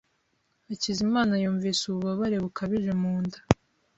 Hakizimana yumvise ububabare bukabije mu nda.